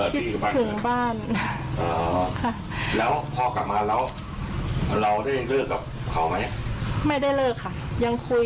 พ่อกลับมาแล้วเราได้เลิกกับเขาไหมไม่ได้เลิกค่ะยังคุย